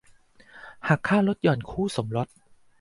หักค่าลดหย่อนคู่สมรส